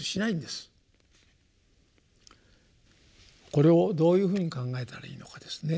これをどういうふうに考えたらいいのかですね。